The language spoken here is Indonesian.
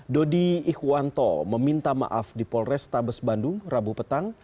dodi ikhwanto meminta maaf di polrestabes bandung rabu petang